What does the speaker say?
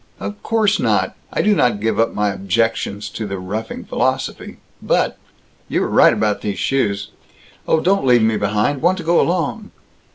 "Of course not. I do not give up my objections to the roughing philosophy, but You were right about these shoes Oh, don't leave me behind! Want to go along!"